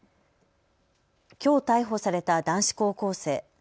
きょう逮捕された男子高校生。